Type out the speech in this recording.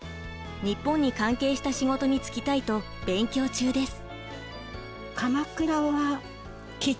日本に関係した仕事に就きたいと勉強中です。